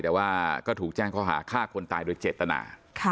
แต่ว่าก็ถูกแจ้งข้อหาฆ่าคนตายโดยเจตนา